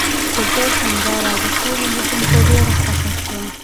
د ده سندره د ټولو لیدونکو ډیره خوښه شوه.